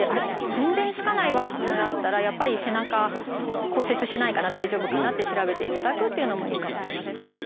全然つかないわってなったらやっぱり背中骨折してないかな大丈夫かなって調べていただくっていうのもいいかもしれません。